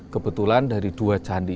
kebetulan dari dua candi